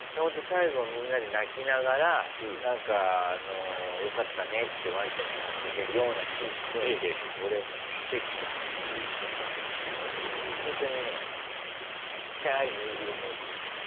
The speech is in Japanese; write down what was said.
最後みんなで泣きながら何かよかったねってワンちゃんに話しかけるようなシーンで俺「奇跡だぁ」って言うシーンだったけどほんとにねちっちゃい縫いぐるみ置いてましたよ。